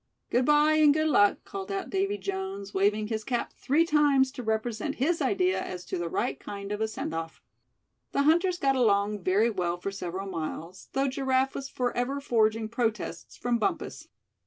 "Good bye, and good luck!" called out Davy Jones, waving his cap three times to represent his idea as to the right kind of a send off. The hunters got along very well for several miles, though Giraffe was forever forging protests from Bumpus.